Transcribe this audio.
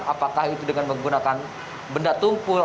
apakah itu dengan menggunakan benda tumpul